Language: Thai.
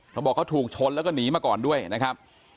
เขาบอกเขาถูกชนแล้วก็หนีมาก่อนด้วยนะครับ